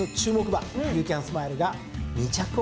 馬ユーキャンスマイルが２着を確保。